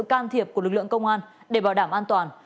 can thiệp của lực lượng công an để bảo đảm an toàn